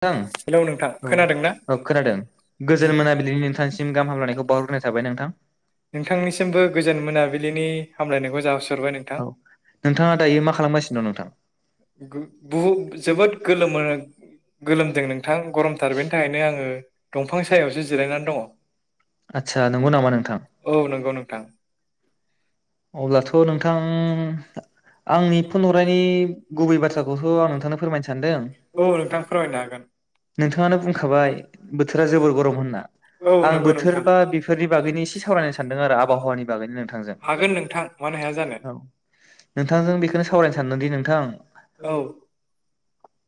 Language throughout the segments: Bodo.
[unintelligible] हेलौ नोंथां खोनादों ना औ औ खोनादों गोजोन मोनाबिलिनि नोंथांसिम गाहाम हामलायनायखौ बावहग्रोनाय थाबाय नोंथां नोंथांनिसिमबो गोजोन मोनाबिलिनि हामलायनायखौ जासिहरबाय नोंथां औ नोंथाङा दायो मा खालामगासिनो दं नोंथां [unintelligible] जोबोद गोलोमो गोलोमदों नोंथां गरमथार बेनि थाखायनो आङो दंफां सायावसो जिरायनानै दङ आदसा नंगौ नामा नोंथां औ नंगौ नोंथां अब्लाथ नोंथां [unintelligible] आंनि फन हरनायनि गुबै बाथ्राखौथ आं नोंथांनो फोरमायनो सानदों औ नोंथां फोरमायनो हागोन नोंथाङानो बुंखाबाय बोथोरा जोबोर गरम होनना औ आं नंगौ बोथोर नोंथां बा बिफोरनि बागैनो एसे सावरायनो सानदों आरो आबहावानि बागैनो नोंथांजों हागोन नोंथां मानो हाया जानो औ नोंथांजों बेखौनो सावरायनो सानदोंदि नोंथां औ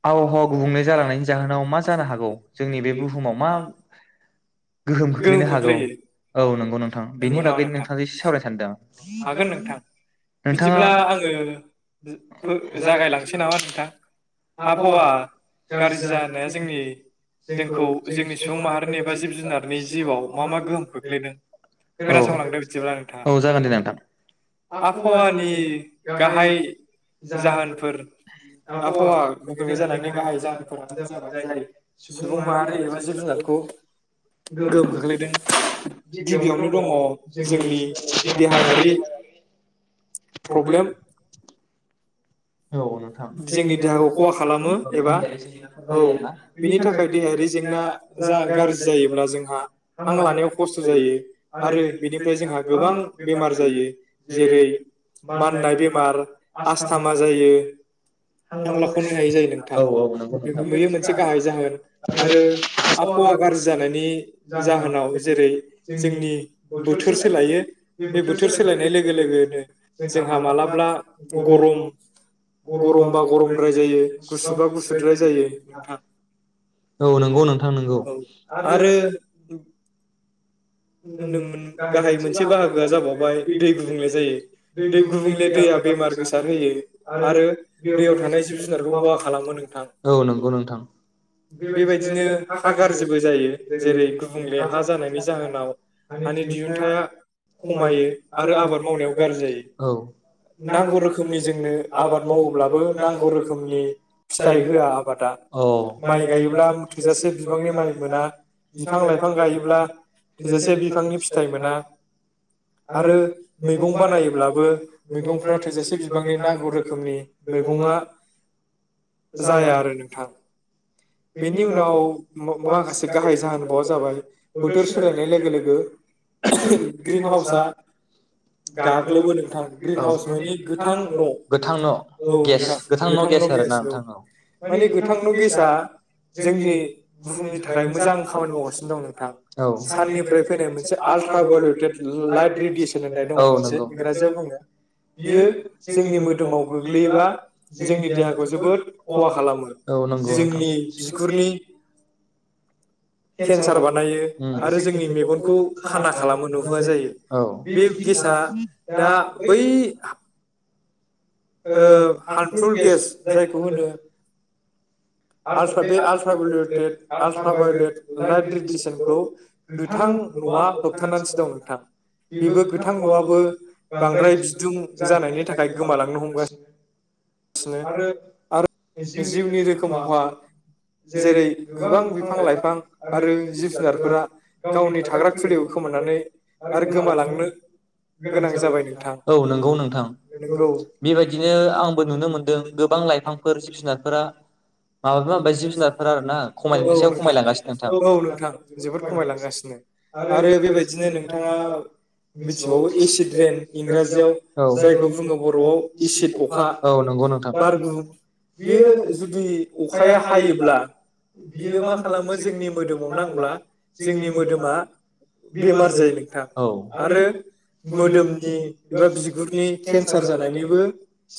आबहावा गुबुंले जालांनायनि जाहोनाव मा जानो हागौ जोंनि बे बुहुमाव मा गोहोम खोख्लैनो हागौ औ अ नंगौ नोंथां बेनि नंगौ नामा बागैनो नोंथां एसे सावराय सानदों आं हागोन नोंथां नोंथाङा आङो फो- जागायसै न जागायलांसै नामा नोंथां आाहावा आबहावा गाज्रि जानाया जोंनि जोंखौ जोंनि सुबुं माहारि एबा जिब जुनार नि जिउआव मा मा गोहोम खोख्लैदों औ खोनासंलांदो बिदिब्ला औ जागोन दे नोंथाङा नोंथां आबहावानि गाहाय जाहोनफोर आबहावा गुबुंले जानायनि गाहाय जाहोनफोरानो जाबाय जाय सुबुं माहारि एबा जिब जुनारखौ गोहोम खोख्लैदों गिबियावनो दङ जोंनि देहायारि प्रब्लेम औ नोंथां जोंनि देहायाव खहा खालामो जायो औ आरोना बेनि थाखाय देहायारि जेंना गाज जायोब्ला जोंहा हां लानायाव खस्थ जायो आरो बेनिफ्राय जोंहा गोबां बेमार जायो जेरै माननाय बेमार आस्था आस्थामा मोनजायो जायो हां लाखावनो हायै जायो नोंथां औ औ नंगौ बेयो मोनसे गाहाय जाहोन आरो आबहावा गाज्रि जानायनि जाहोनाव जेरै जोंनि बोथोर सोलायो बे बोथोर सोलायनाय लोगो लोगोनो जोंहा मालाबा गरम गरमबा गरमद्राय जायो गुसुबा गुसुद्राय जायो नोंथां औ नंगौ नोंथां नंगौ औ आरो होनदों मोन गाहाय मोनसे बाहागोआ जाबावबाय दै गुबुंले जायो दै गुबुंले दैया बेमार गोसार होयो आरो दैयाव थानाय जिब जुनारखौ खहा खालामो नोंथां औ नंगौ नोंथां बेबायदिनो हा गाज्रिबो जायो जेरै गुबुंले हा जानायनि जाहोनाव हानि दिहुनथाया खमायो आरो आबाद मावनायाव गाज्रि जायो औ नांगौ रोखोमनि जोंनो आबाद मावोब्लाबो नांगौ रोखोमनि फिथाइ होआ आबादा औ। माइ गायोब्ला थोजासे बिबांनि माइ मोना बिफां लाइफां गायोब्ला थोजासे बिफांनि फिथाइ मोना आरो मैगं बानायोब्लाबो मैगंफ्रा थोजासे बिबांनि नांगौ रोखोमनि मैगंआ जाया आरो नोंथां बेनि उनाव माखासे गाहाय जाहोन बावआ जाबाय बोथोर सो नाय लोगो लोगो ग्रिन हाउसआ गाग्लोबो नोंथां ग्रिन हाउस मानि गोथां न गोथां न' औ गोथां नोंथां औ न गेस आ जोंनि थाखाय मोजां खामानि मावगासिनो दं नोंथां। औ औ साननिफ्राय फैनाय मोनसे नंगौ आल्ट्रा भायलेटेड लाइट रेडियेसन होननाय दङ औ मोनसे इंराजियाव बुङो नंगौ बियो जोंनि मोदोमाव गोग्लैयोबा जोंनि देहाखौ जोबोद खहा खालामो नोंथां जोंनि बिगुरनि खेनसार बानायो आरो जोंनि मेगनखौ खाना खालाम हनुहोआ जायो बे गेसा दा बै हार्मफुल गेस जायखौ होनो आल्ट्रा बे आल्ट्रा भायेटेट आल्ट्राभायेट लाइभ रेडिसनखौ गोथां नआ होबथानानैसो दं नोंथां बेबो गोथां नआबो बांद्राय बिदुं जानायनि थाखाय गोमालांनो हमगासिनो सिनो आरो जिउनि रोखोम खहा जेरै गोबां बिफां लाइफां आरो जिब जुनारफोरा गावनि थाग्रा खुलियाव खोमनानै आरो गोमालांनो गोनां जाबाय नोंथा औ नंगौ नोंथां नंगौ बेबायदिनो आंबो दों गोबां लाइफांफोर जिब जुनारफोरा माब्लाबा ओमफाय जिब जुनारफोर आरो ना औ खमायनायनि सायाव नोंथां खमायलांगासिनो नोंथां औ नोंथां जोबोद खमायालांगासिनो आरो बेबायदिनो नोंथाङा मिथिबावो एसिड रेन मिथिबावो इंराजियाव [unintelligible] औ जायखौ बुङो बरआव एसिड एसिद अखा औ बारगु बेयो जुदि अखाया हायोब्ला बियो मा खालामो जोंनि मोदोमाव नांब्ला जोंनि मोदोमा बेमार जायो नोंथां आरो मोदोमनि एबा बिगुरनि केन्सार जानायनिबो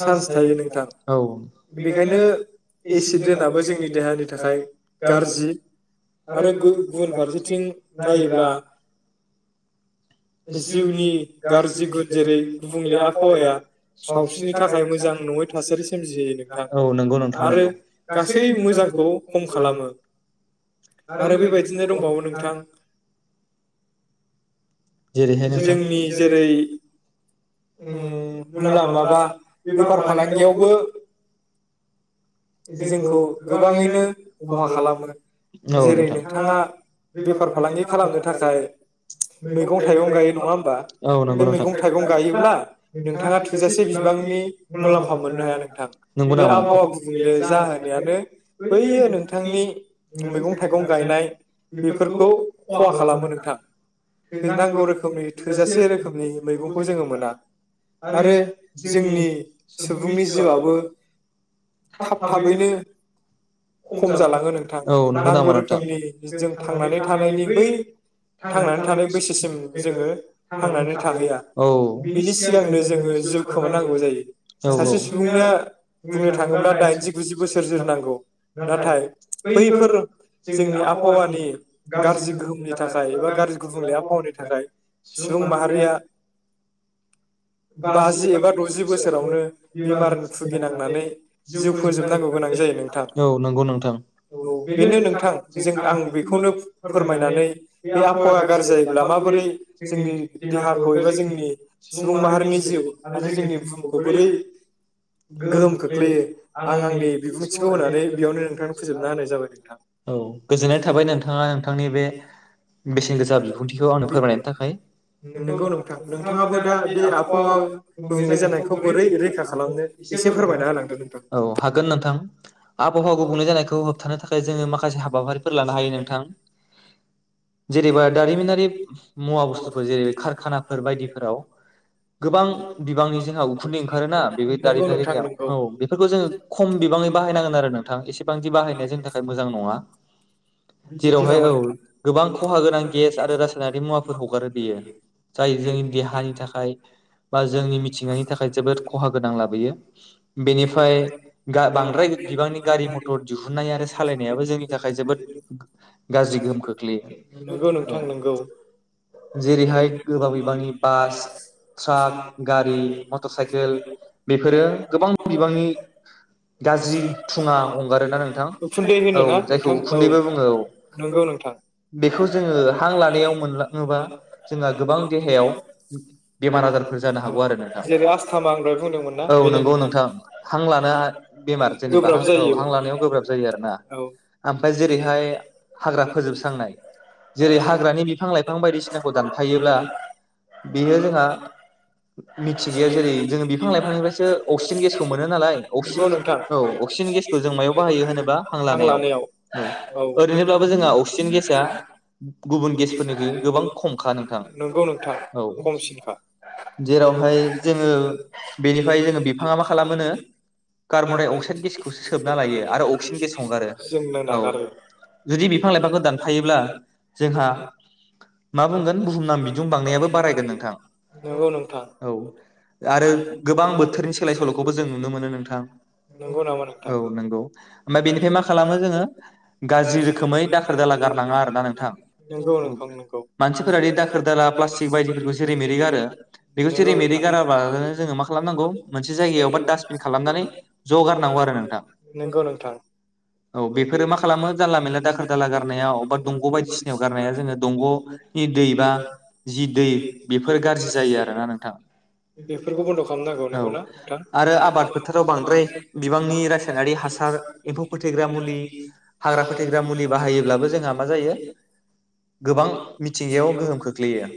सान्स [unintelligible] बेखायनो एसिड दोहोनाबो जोंनि देहानि थाखाय गाज्रि आरो गुबुन फारसेथिं नायोब्ला जिउनि गाज्रि गुद जेरै गुबुंले आबहावाया सावस्रिनि थाखाय मोजां नङै थासारि सोमजिहोयो नोंथां औ नंगौ नोंथां आरो नंगौ। गासै मोजांखौ खम खालामो आरो बेबायदिनो दंबावो नोंथां। जेरै हाय नोंथां जोंनि जेरै उम, मुला माबा [unintelligible] बेफार फालांगियावबो जोंखौ गोबाङै नो खहा खालामो जेरै नोंथाङा बेफार फालांगि खालामनो थाखाय मैगं थाइगं गायो नङा होमबा? बे मैगं थाइगं गायोब्ला नोंथाङा थोजासे बिबांनि मुलाम्फा मोननो हाया नोंथां बे आबहावा गु बुले जाहोनायानो बैयो नोंथांनि मैगं थाइगं गायनाय बेफोरखौ खहा खालामो नोंथां नांगौ रोखोमनि थोजासे रोखोमनि मैगंखौ जोङो मोना आरो जोंनि सुबुंनि जिउआबो थाब थाबैनो खम जालाङो नोंथां नांगौ रोखोमनि जों थांनानै थानायनि बै थांनानै थानाय बैसोसिम जोङो थांनानै थाहैया बिनि सिगांनो जोङो जिउ खोमानांगौ जायो। सासे सुबुंनो बुंनो थाङोब्ला दाइनजि गुजि बोसोर जोरनांगौ नाथाय बैफोर जोंनि आबहावानि गाज्रि गोहोमनि थाखाय एबा गाज्रि गुबुंले आबहावानि थाखाय सुबुं माहारिया बाजि एबा दजि बोसोरावनो बेमार भुगिनांनानै जिउ फोजोबनांगौ गोनां जायो नोंथां औ बेनो नोंथां जे आं बेखौनो फोरमायनानै बे आबहावा गाज्रिजायोब्ला माबोरै जोंनि देहाखौ एबा जोंनि सुबुं माहारिनि जिउ आरो जोंनि बहुमखौ बोरै गोहो गोहोम खोख्लैयो [unintelligible] आंनि आं बिबुंथिखौ आंनि होनानै बेयावनो बिबुंथिखौ नोंथांनो फोजोबना होनानै होनाय जाबाय नोंथां। बेआवनो फोजोबना होनाय जाबाय नोंथां। नंगौ नोंथां नोंथाङाबो दा बे नोंगौ नोंथां आबहावा नोंथाङाबो दा गुबुंले बे आबहावा जानायखौ बोरै गुबुंले जानायखौ रैखा बोरै रैखा खालामनो खालामनो एसे फोरमायना होलां औ हागोन नोंथां आबहावा गुबुंले जानायखौ होबथानो थाखाय जोङो माखासे हाबाफारिफोर लानो हायो नोंथां जेरैबा दारिमिनारि मुवा बुस्थुफोर जेरै कारखानाफोर बायदिफोराव गोबां बिबांनि जोंहा उखुन्दै ओंखारोना बेबो नोंगौ नोंथां नोंगौ दारिमिनारिनियाव बेफोरखौ जोङो खम बिबाङै बाहायनांगोन आरो नोंथां एसेबा जोंनि थाखाय मोजां नङा। बिदि जेरावहाय नामा नों औ गोबां खहा गोनां गेस आरो रासायनारि मुवाफोर हगारो बेयो जाय जोंनि देहानि थाखाय बा जोंनि मिथिंगानि थाखाय जोबोद खहा गोनां लाबोयो। बेनिफ्राय बांद्राय बिबांनि गारि मथर दिहुननाय आरो सालायनायाबो जोंनि थाखाय जोबोद गाज्रि गोहोम नोंगौ खोख्लैयो नोंथां नोंगौ। औ। जेरैहाय गोबां बिबांनि बास ट्राक गारि मटर साइकेल बेफोरो गोबां बिबांनि गाज्रि थुङा हंगारोना नोंथां उखुन्दै औ होनो ना जायखौ नोंथां उखुन्दैबो औ। बुङो औ नंगौ नोंथां बेखौ जोङो हां लानायाव मोनलाङोबा जोंहा गोबां देहायाव औ बेमार आजारफोर जानो हागौ आरो नोंथां जेरै आस्थामा आं दहाय बुंदोंमोन ना औ बेनो नंगौ नोंथां। हां लानो हा बेमार जेनेबा गोब्राब औ जायो हां लानायाव गोब्राब जायो आरोना औ ओमफ्राय जेरैहाय हाग्रा फोजोबस्रांनाय जेरै हाग्रानि बिफां लाइफां बायदिसिनाखौ दानफायोब्ला बेयो जोंहा मिथिंगाया जेरै जोंङो बिफां लाइफांनिफ्रायसो अक्सिजेन गेस [unintelligible] मोनो नालाय नंगौ नोंथां अक्सिजेन अक्सिजेन गेसखौ जों मायाव बाहायो होनोबा हां हां लानायाव औ ओरैनोब्लाबो जोंहा अक्सिजेन गेसआ गुबुन गेसफोरनिख्रुइ गोबां खमखा नोंथां नंगौ नोंथां औ खमसिनखा। जेरावहाय जोङो बेनिफ्राय जोङो बिफाङा मा खालामोनो कार्बन दडाइ अक्साइद गेसखौसो सोबना लायो आरो अक्सिजेन गेस हंगारो जोंनो औ नागारो जुदि बिफां लाइफांखौ दानफायोब्ला जोंहा मा बुंगोन बुहुमनां बिदुं बांनायाबो बारायगोन नोंथां नंगौ नोंथां औ आरो गोबां बोथोरनि सोलाय सोल' खौबो जों नुनो मोनो नोंथां। नंगौ नामा औ नोंथां नंगौ ओमफ्राय बेनिफ्राय मा खालामो जोङो गाज्रि रोखोमै दाखोर दाला गारनाङा आरोना नोंथां नंगौ नोंथां नंगौ मानसिफोरादि दाखोर दाला प्लास्टिक बायदिफोरखौ जेरे मेरै गारो बेखौ नंगौ जेरे मेरै नोंथां गाराबालानो जोङो मा खालामनांगौ मोनसे जायगायाव दासबिन खालामनानै ज' गारनांगौ आरो नोंथां नंगौ नोंथां औ बेफोरो मा जायो खालामो जानला मेनला दाखोर दाला गारनायाव बा दंग' बायदिसिनायाव गारनाया जोङो दंग'नि दै बा जि दै बेफोर गाज्रि जायो आरोना नोंथां बेफोरखौ बन्द खालामनांगौ औ नंगौना नोंथां? आरो आबाद फोथाराव बांद्राय बिबांनि रासायनारि हासार एम्फौ फोथैग्रा मुलि हाग्रा फोथैग्रा मुलि बाहायोब्लाबो जोंहा मा जायो गोबां मिथिंगायाव गोहोम खोख्लैयो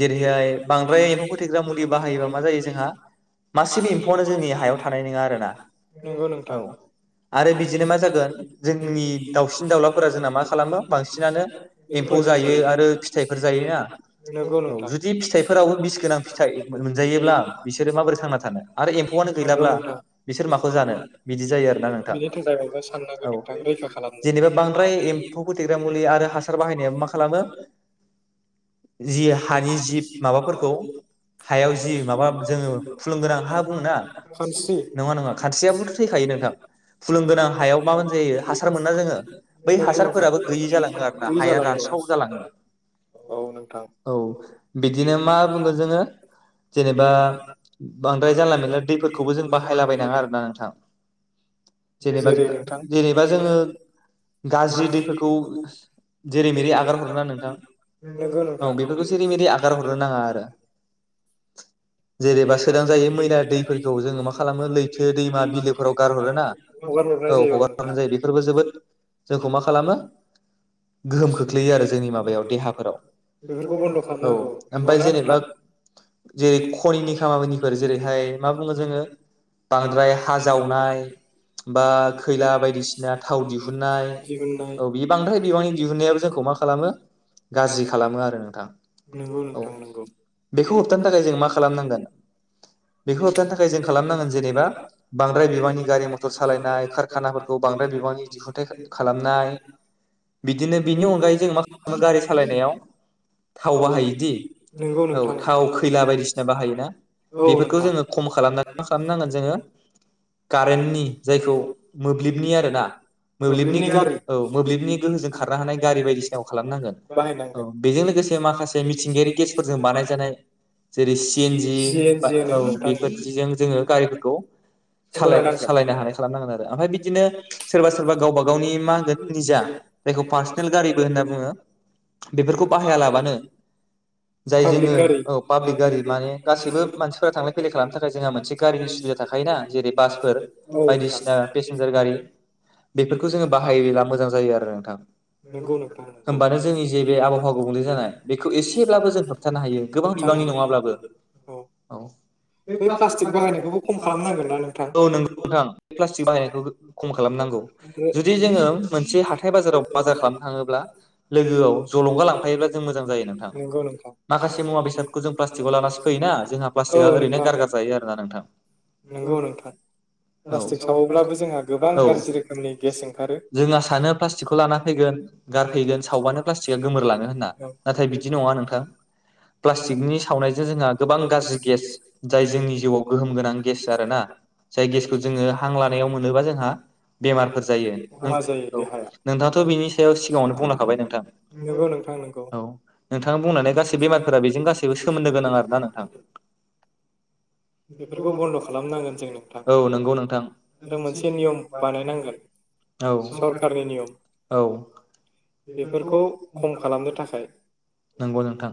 जेरैहाय बांद्राय एम्फौ फोथैग्रा मुलि बाहायोब्ला मा जायो जोंहा मासेबो एम फौआनो जोंनि हायाव थानाय नङा आरोना नंगौ नोंथां औ आरो बिदिनो मा जागोन जोंनि दाउसिन दाउलाफोरा जोंना मा खालामो बांसिनानो एम्फौ जायो आरो फिथाइफोर जायोना नंगौ औ नोंथां जुदि फिथाइफोराव बिस गोनां फिथाइ मोनजायोब्ला बिसोरो माबोरै थांना थानो? एम्फौआनो गैलाब्ला बिसोर माखौ जानो बिदि जायो आरोना बिनि नोंथां औ थाखाय जेनेबा बांद्राय एम्फौ फोथैग्रा माबा मुलि आरो हासार बाहायनायाबो मा खालामो साननांगोन जि हानि नोंथां जिब माबाफोरखौ हायाव रैखा जि माबा जोङो फुलुंगोनां हा खालामनो। बुङोना खानस्रि नङा खानस्रियाबोथ थैखायो नोंथां फुलुं गोनां हायाव मा होन जायो हासार मोना जोङो बै नंगौ नोंथां हासारफोराबो गैयि जालाङो आरो ना हाया जालांगौ रानस्राव जालाङो औ नोंथां औ बिदिनो मा बुङो जोङो जेनेबा बांद्राय जानला मेनला दैफोरखौबो जों बाहाय लाबायनाङा आरोना नोंथां। जेनेबा जेरै नोंथां जेनेबा जोङो गाज्रि दैफोरखौ जेरै मेरै आगार हरोना नोंथां नंगौ नोंथां औ बेफोरखौ जेरै मेरै आगार हरनो नाङा आरो। जेरिबा [unintelligible] जायो मैला दैफोरखौ जोङो मा खालामो लैथो दैमा बिलोफोराव गारहरो ना हरनाय औ जायो औ हगार हरनाय जायो बेफोरबो जोबोद जोंखौ मा खालामो गोहोम खोख्लैयो आरो जोंनि माबायाव बेफोरखौ बन्द' देहाफोराव औ खालामनांगौ ओमफाय नंगौना नोंथां जेनेबा जेरै करिनि खामानिफोर जेरै उमफाय मा बुङो जोङो बांद्राय हा जावनाय बा खैला बायदिसिना थाव दिहुननाय दिहुननाय औ बियो बांद्राय बिबांनि दिहुननायाबो जोंखौ मा खालामो गाज्रि खालामो आरो नोंथां नंगौ औ नोंथां नंगौ बेखौ होबथानो थाखाय जों मा खालामनांगोन? बेखौ होबथानो थाखाय जों खालामनांगोन जेनेबा बांद्राय बिबांनि गारि मथर सालायनाय कारखानाफोरखौ बांद्राय बिबांनि दिहुनथाइ खालामनाय बिदिनो बिनि अनगायै जों मा खालामो गारि सालायनायाव थाव बाहायोदि नंगौ औ नोंथां थाव खैला बायदिसिना बाहायोना औ बेफोर खौ नोंथां जोङो खम खालामना मा खालाम नांगोन जोङो कारेन्टनि जायखौ मोब्लिबनि आरो ना मोब्लिबनि गोहो औ मोब्लिबनि गोहोजों खारनो हानाय गारि बायदिसिनाखौ खालामनांगोन। औ बाहायनांगोन बेजों लोगोसे माखासे मिथिंगायारि गेसफोरजों बानाय जानाय जेरै सि एन जि एन बा जि होनो औ नोंथां बेफोरदिजों जोङो गारिफोरखौ सालाय सालायनो हानाय खालामनांगोन आरो ओमफाय बिदिनो सोरबा सोरबा गावबा गावनि मा होनगोन निजा बे खौ पार्सनेल गारिबो होनना सालायनांगोन बुङो बेफोरखौ बाहायालाबानो जाय पाब्लिक जोङो गारि औ पाब्लिक गारि माने गासिबो मानसिफोरा थांलाय फैलाय खालामनो थाखाय जोंहा मोनसे गारिनि सुबिदा थाखायोना जेरै बासफोर औ नोंथां बायदिसिना पेसेन्जार गारि बेफोरखौ जोङो बाहायोब्ला मोजां जायो आरो नोंथां होमबानो जोंनि जे बे आबहावा गुबुंले जानाय बेखौ एसेब्लाबो जों होबथानो हायो गोबां बिबांनि नङाब्लाबो औ खम खालामनांगोन ना नोंथां नंगौ नोंथां बे प्लासटिक बाहायनायखौ खम खालामनांगौ जुदि जोङो मोनसे हाथाय बाजाराव बाजार खालामनो थाङोब्ला लोगोआव जलंगा लांफायोब्ला जों मोजां जायो नोंथां नंगौ नोंथां माखासे मुवा बेसादफोरखौ जों प्लासटिकआव लानानैसो फैयोना जोंहा प्लासटिक औ आ ओरैनो नोंथां गारगार जायो आरो ना नोंथां? नंगौ नोंथां प्लास्टिक सावोब्लाबो जोंहा गोबां औ औ गाज्रि रोखोमनि गेस ओंखारो जोङा सानो प्लासटिकखौ लाना फैगोन गारफैगोन सावबानो प्लासटिकआ गोमोर लाङो होनना खहा नाथाय बिदि नङा नोंथां प्लासटिकनि सावनायजों जोंहा गोबां गाज्रि गेस जाय जोंनि जिउआव गोहोम गोनां गेस आरोना जाय गेसखौ जोङो हां लानायाव मोनोबा जोंहा बेमारफोर जायो जायो [unintelligible] देहाया नोंथाङ नोंथ बिनि सायाव सिगाङावनो बुंलांखांबाय नोंथां, नंगौ नोंथां नंगौ औ, नोंथाङा बुंलांनाय गासै बेमारफोरा बेजों गासैबो सोमोन्दो गोनां आरो ना नोंथां? बेफोरखौ बन्द खालामनांगोन जों नोंथां औ नंगौ नोंथां जों मोनसे नियम बानायनांगोन औ सरकारनि नियम औ बेफोरखौ खम खालामनो थाखाय नंगौ नोंथां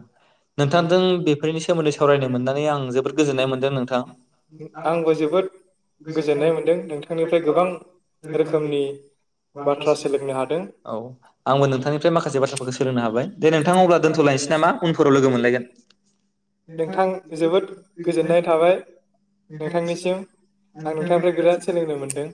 नोंथांजों बेफोरनि सोमोन्दै सावरायनो मोनना नै आं जोबोद गोजोननाय मोनदों नोंथां आंबो जोबोद गोजोननाय मोनदों नोंथांनिफ्राय गोबां रोखोमनि बाथ्रा सोलोंनो हादों औ आंबो नोंथांनिफ्राय माखासे बाथ्राफोरखौ सोलोंनो हाबाय दे नोंथां अब्ला दोन्थलायनोसै नामा उनफोराव लोगो मोनलायगोन। नोंथां जोबोद गोजोननाय थाबाय नोंथांनिसिम आं नोंथांनिफ्राय बिराद सोलोंनो मोनदों